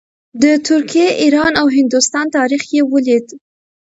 د ترکیې، ایران او هندوستان تاریخ یې ولید.